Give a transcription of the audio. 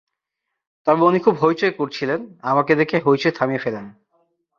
তবে উনি খুব হৈচৈ করছিলেন, আমাকে দেখে হৈচৈ থামিয়ে ফেলেন।